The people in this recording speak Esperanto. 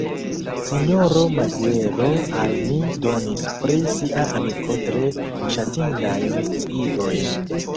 Sinjoro Maziero al ni donis pri sia amiko tre ŝatindajn sciigojn.